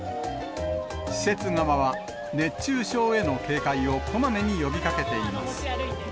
施設側は、熱中症への警戒をこまめに呼びかけています。